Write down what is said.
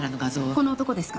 この男ですか？